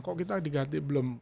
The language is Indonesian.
kok kita diganti belum